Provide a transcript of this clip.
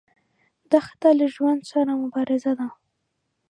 دښته له ژوند سره مبارزه ده.